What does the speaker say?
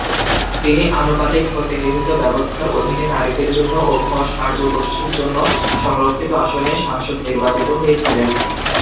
তিনি আনুপাতিক প্রতিনিধিত্ব ব্যবস্থার অধীনে নারীদের জন্য ও খস-আর্য গোষ্ঠীর জন্য সংরক্ষিত আসনে সাংসদ নির্বাচিত হয়েছিলেন।